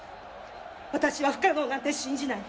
私は不可能なんて信じない。